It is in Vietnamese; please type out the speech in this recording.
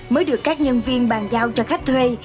mới được các nhân viên bàn giao cho khách thuê